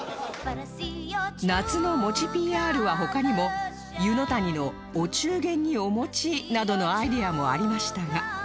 夏のもち ＰＲ は他にもゆのたにの「お中元にお餅」などのアイデアもありましたが